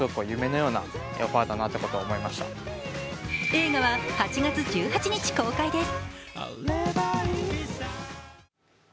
映画は８月１８日公開です。